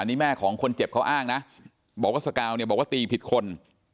นี่แม่ของคนเจ็บเขาอ้างนะบอกว่าสกาวเนี่ยบอกว่าตีผิดคน